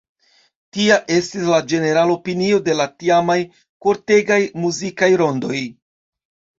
Tia estis la ĝenerala opinio de la tiamaj kortegaj muzikaj rondoj.